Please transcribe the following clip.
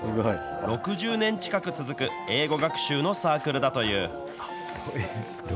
６０年近く続く英語学習のサークルだという。